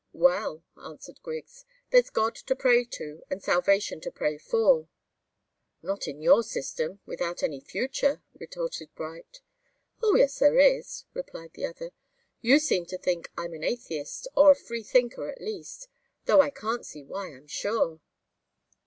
"Well," answered Griggs, "there's God to pray to and salvation to pray for." "Not in your system without any future," retorted Bright. "Oh, yes, there is," replied the other. "You seem to think I'm an atheist, or a freethinker, at least though I can't see why, I'm sure."